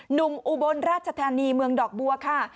อุบลราชธานีเมืองดอกบัวค่ะ